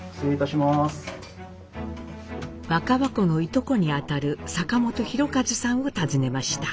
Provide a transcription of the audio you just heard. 若葉子のいとこにあたる坂本紘一さんを訪ねました。